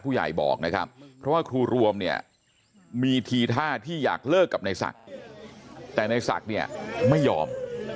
บอกนะครับเพราะว่าครูรวมเนี่ยมีทีท่าที่อยากเลิกกับนายศักดิ์แต่ในศักดิ์เนี่ยไม่ยอม